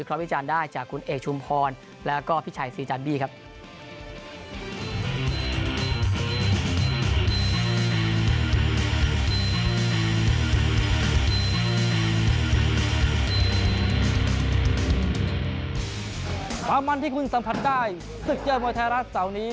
ความมั่นที่คุณสัมพันธ์ได้ศึกเยินมอเทรัสเสาร์นี้